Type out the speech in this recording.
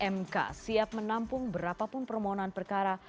mk siap menampung berapapun permohonan perkara